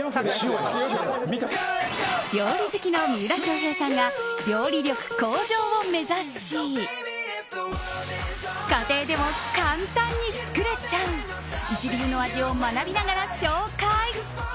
料理好きの三浦翔平さんが料理力向上を目指し家庭でも簡単に作れちゃう一流の味を学びながら紹介。